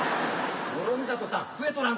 諸見里さん